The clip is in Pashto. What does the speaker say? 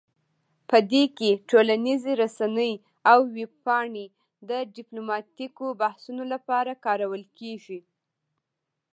په دې کې ټولنیز رسنۍ او ویب پاڼې د ډیپلوماتیکو بحثونو لپاره کارول کیږي